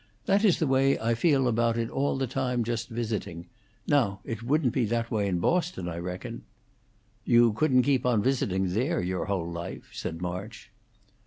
"That is the way I feel about it all the time: just visiting. Now, it wouldn't be that way in Boston, I reckon?" "You couldn't keep on visiting there your whole life," said March.